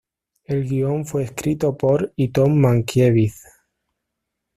El guion fue escrito por y Tom Mankiewicz.